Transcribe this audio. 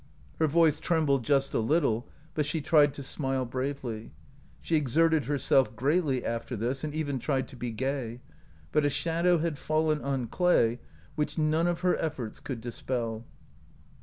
Her voice trembled just a little, but she tried to smile bravely. She exerted herself greatly after this, and even tried to be gay ; but a shadow had fallen on Clay which none of her efforts could dispel.